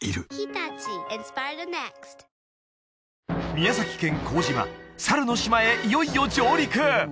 宮崎県幸島猿の島へいよいよ上陸！